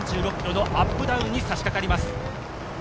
３６ｋｍのアップダウンにさしかかります。